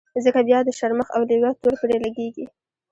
ځکه بيا د شرمښ او لېوه تور پرې لګېږي.